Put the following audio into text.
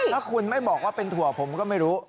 แล้วคุณไม่บอกว่าเป็นถั่วผมก็ไม่รู้